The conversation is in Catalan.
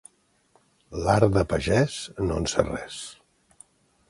L'art de pagès: no en sé res.